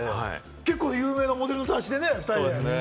結構有名なモデルの雑誌でね。